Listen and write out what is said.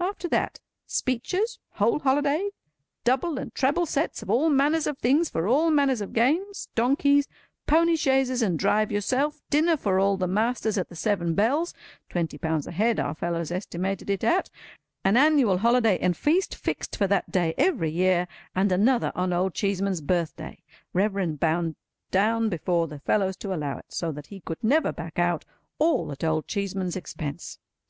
After that, speeches, whole holiday, double and treble sets of all manners of things for all manners of games, donkeys, pony chaises and drive yourself, dinner for all the masters at the Seven Bells (twenty pounds a head our fellows estimated it at), an annual holiday and feast fixed for that day every year, and another on Old Cheeseman's birthday—Reverend bound down before the fellows to allow it, so that he could never back out—all at Old Cheeseman's expense.